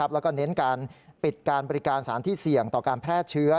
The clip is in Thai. แล้วก็เน้นการปิดการบริการสารที่เสี่ยงต่อการแพร่เชื้อ